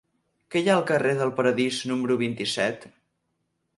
Què hi ha al carrer del Paradís número vint-i-set?